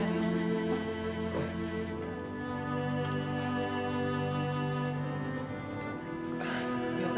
terima kasih nona